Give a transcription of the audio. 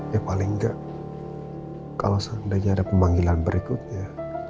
ya paling enggak kalau seandainya ada pemanggilan berikutnya